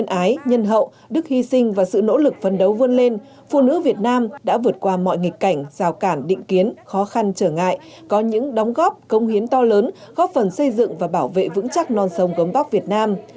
phụ nữ việt nam đã vượt qua mọi nghịch cảnh rào cản định kiến khó khăn trở ngại có những đóng góp công hiến to lớn góp phần xây dựng và bảo vệ vững chắc non sông gấm bóc việt nam